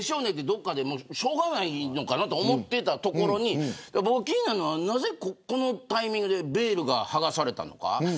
どこかでしょうがないのかなと思っていたところに気になるのはなぜこのタイミングでベールが剥がされたのか。